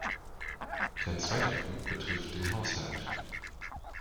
Der zweite Punkt betrifft den Haushalt.